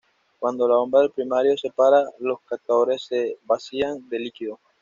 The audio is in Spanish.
Cuando la bomba del primario se para, los captadores se vacían de líquido.